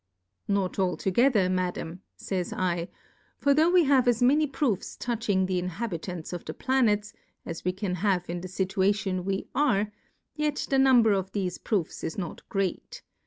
Not altogether, Madam, fajs I, for tho' we have as ma ny Proofs touching the Inhabitants of the Planets, as we can have in the Sci tuation we are, yet the Number of thefe Proofs is not great.